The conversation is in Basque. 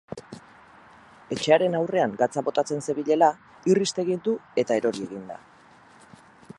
Etxearen aurrean gatza botatzen zebilela, irrist egin du eta erori egin da.